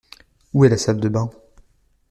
Où est la salle de bains ?